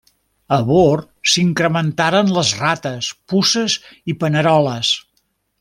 A bord s'incrementaren les rates, puces i les paneroles.